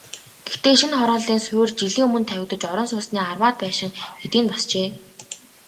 Гэхдээ шинэ хорооллын суурь жилийн өмнө тавигдаж, орон сууцны арваад байшин хэдийн босжээ.